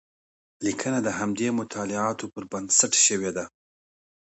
لیکنه د همدې مطالعاتو پر بنسټ شوې ده.